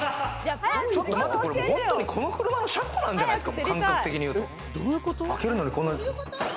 ちょっと待って、本当にこの車の車庫なんじゃないですか？